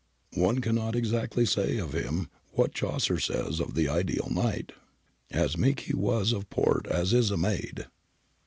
One cannot exactly say of him what Chaucer says of the ideal Knight, "As meke he was of port as is a maid."